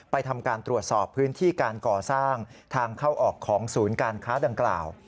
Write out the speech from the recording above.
ทำการตรวจสอบพื้นที่การก่อสร้างทางเข้าออกของศูนย์การค้าดังกล่าว